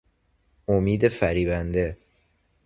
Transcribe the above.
امید فریبنده